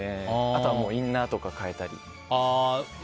あとはインナーとか替えたり。